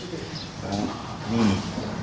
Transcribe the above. อืม